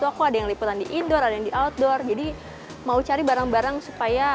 toko ada yang liputan di indoor ada yang di outdoor jadi mau cari barang barang supaya